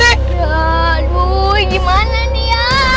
aduh gimana nih ya